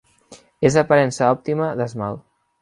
És aparença òptica d'esmalt.